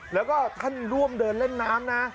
แล้วก็ท่านร่วมเดินเล่นน้ำนะ